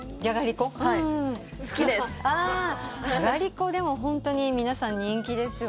じゃがりこホントに皆さん人気ですよね。